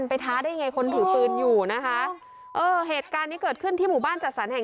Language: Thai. ท้าได้ยังไงคนถือปืนอยู่นะคะเออเหตุการณ์นี้เกิดขึ้นที่หมู่บ้านจัดสรรแห่ง